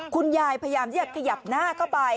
คุณยายพยายามเรียกขยับหน้าเข้าไป